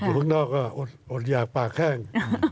อยู่ข้างนอกก็อดอยากปากแข้ง